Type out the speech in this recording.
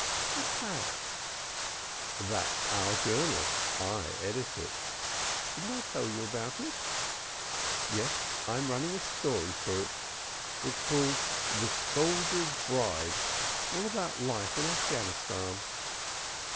"What's that?" "That's our journal. I edit it. Didn't I tell you about it? Yes, I'm running a story through it, called 'The Soldier's Bride,' all about life in Afghanistan."